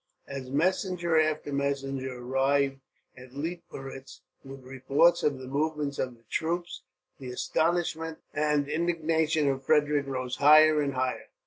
As messenger after messenger arrived at Leitmeritz, with reports of the movements of the troops, the astonishment and indignation of Frederick rose higher and higher.